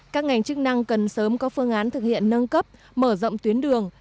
các ngành chức năng cần sớm có phương án thực hiện nâng cấp mở rộng tuyến đường